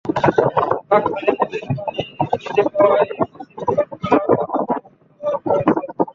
বাঁকখালী নদীর পানি বৃদ্ধি পাওয়ায় সিসি ব্লক ফেলাও এখন বন্ধ রয়েছে।